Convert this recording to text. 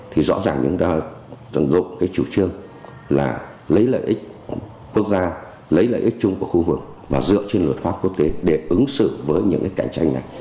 thì rõ ràng chúng ta tận dụng cái chủ trương là lấy lợi ích quốc gia lấy lợi ích chung của khu vực và dựa trên luật pháp quốc tế để ứng xử với những cái cạnh tranh này